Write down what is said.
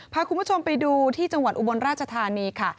พาคุณผู้ชมไปดูที่จังหวัดอุบลราชธานีค่ะ